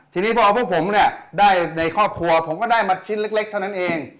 ทีนี้พอพวกผมเนี่ยได้ในครอบครัวผมก็ได้มาชิ้นเล็กเท่านั้นเอง